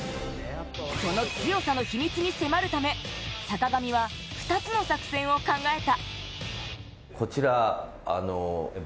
その強さの秘密に迫るため、坂上は２つの作戦を考えた。